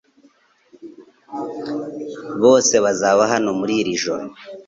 Bose bazaba hano muri iri joro .